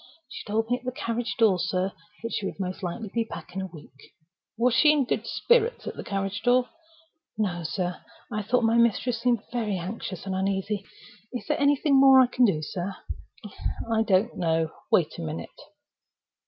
"She told me at the carriage door, sir, that she would most likely be back in a week." "Was she in good spirits at the carriage door?" "No, sir. I thought my mistress seemed very anxious and uneasy. Is there anything more I can do, sir?" "I don't know. Wait a minute."